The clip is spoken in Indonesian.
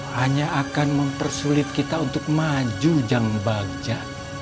hanya akan mempersulit kita untuk maju jam bagja